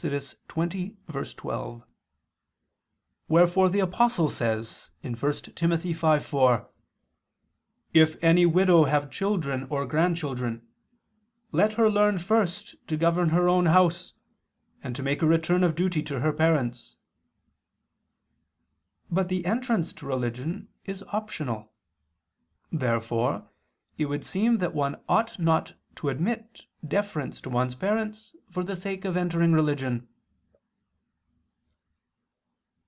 20:12); wherefore the Apostle says (1 Tim. 5:4): "If any widow have children or grandchildren, let her learn first to govern her own house, and to make a return of duty to her parents." But the entrance to religion is optional. Therefore it would seem that one ought not to omit deference to one's parents for the sake of entering religion.